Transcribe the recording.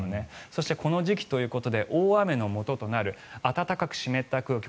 そしてこの時期ということで大雨のもととなる暖かく湿った空気